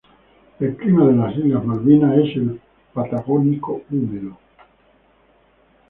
El clima de las islas Malvinas es el Patagónico húmedo.